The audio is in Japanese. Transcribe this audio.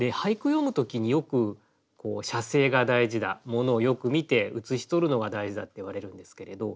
詠む時によく写生が大事だ物をよく見て写し取るのが大事だっていわれるんですけれど。